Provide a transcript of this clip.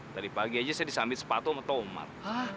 tadi pagi aja saya disambit sepatu sama tomat